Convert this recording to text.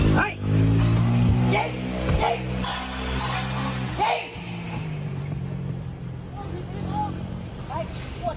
นี่ขโมย